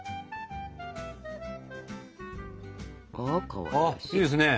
ああいいですね！